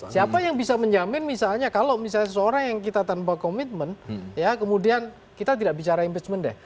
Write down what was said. siapa yang bisa menjamin misalnya kalau misalnya seseorang yang kita tanpa komitmen ya kemudian kita tidak bicara impeachment deh